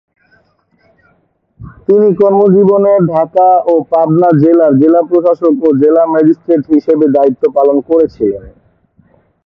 তিনি কর্মজীবনে ঢাকা ও পাবনা জেলার জেলা প্রশাসক ও জেলা ম্যাজিস্ট্রেট হিসেবে দায়িত্ব পালন করেছিলেন।